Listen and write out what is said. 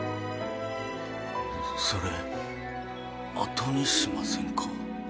それあとにしませんか？